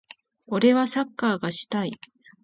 俺はサッカーがしたい。